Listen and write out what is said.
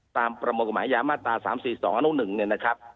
ประมวลกฎหมายยามาตรา๓๔๒อนุ๑เนี่ยนะครับ